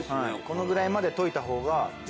このぐらいまで溶いた方がえっ！？